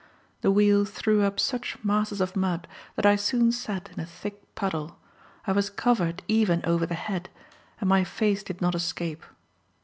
The wheels threw up such masses of mud, that I soon sat in a thick puddle, I was covered even over the head, and my face did not escape.